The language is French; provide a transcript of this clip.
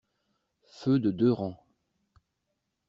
Feu de deux rangs!